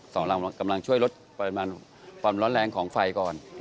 เรากำลังช่วยลดปริมาณความร้อนแรงของไฟก่อน